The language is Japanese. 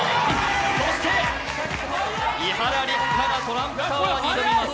そして伊原六花がトランプタワーに挑みます。